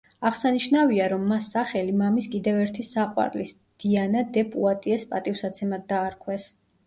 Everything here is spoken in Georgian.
აღსანიშნავია, რომ მას სახელი მამის კიდევ ერთი საყვარლის, დიანა დე პუატიეს პატივსაცემად დაარქვეს.